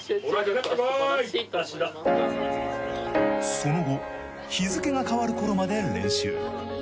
その後日付が変わるころまで練習。